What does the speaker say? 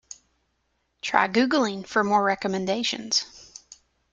Try googling for more recommendations.